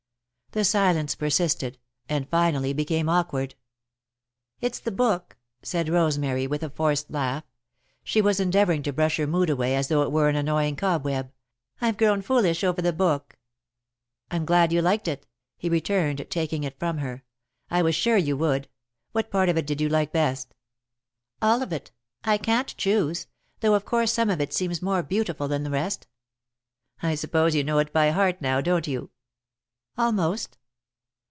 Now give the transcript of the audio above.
The silence persisted and finally became awkward. "It's the book," said Rosemary, with a forced laugh. She was endeavouring to brush her mood away as though it were an annoying cobweb. "I've grown foolish over the book." "I'm glad you liked it," he returned, taking it from her. "I was sure you would. What part of it did you like best?" "All of it. I can't choose, though of course some of it seems more beautiful than the rest." "I suppose you know it by heart, now, don't you?" "Almost."